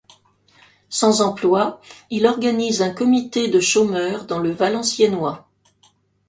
Sans emploi, il organise un comité de chômeurs dans le Valenciennois.